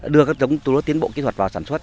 đưa các giống lúa tiến bộ kỹ thuật vào sản xuất